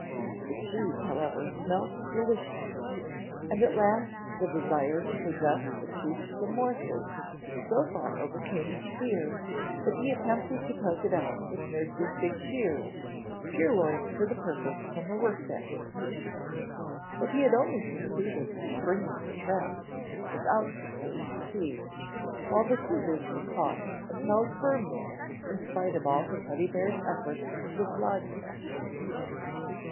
The cheese, however, smelt deliciously, and at last the desire to possess the toothsome morsels so far overcame his fear that he attempted to poke it out with nurse's big shears, purloined for the purpose from her work basket. But he had only succeeded in springing the trap, without securing the cheese, while the scissors were caught and held firmly in spite of all the Teddy bear's efforts to dislodge them.